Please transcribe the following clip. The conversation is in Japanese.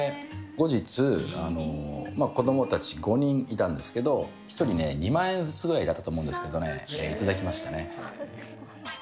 後日、子どもたち５人いたんですけど、１人ね、２万円ずつぐらいだったかと思いますけどね、頂きましたね。